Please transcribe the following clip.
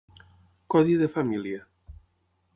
Codi de família.